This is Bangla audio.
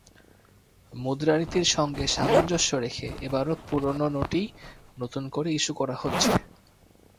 মুদ্রানীতির সঙ্গে সামঞ্জস্য রেখে এবারও পুরোনো নোটই নতুন করে ইস্যু করা হচ্ছে।